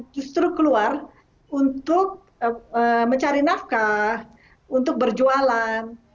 justru keluar untuk mencari nafkah untuk berjualan